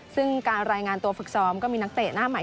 ซึ่งการรายงานตัวฝึกซ้อมก็มีนักเตะหน้าใหม่